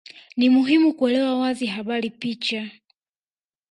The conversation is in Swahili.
Ni muhimu kuelewa wazi habari picha